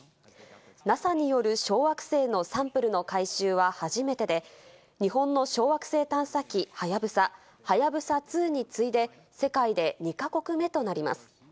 ＮＡＳＡによる小惑星のサンプルの回収は初めてで、日本の小惑星探査機「はやぶさ」「はやぶさ２」に次いで世界で２か国目となります。